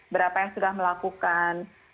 berapa yang sudah melakukan